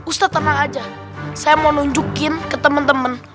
ustadz tenang aja saya mau nunjukin ke teman teman